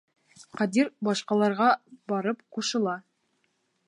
Ҡадир башҡаларға барып ҡушыла.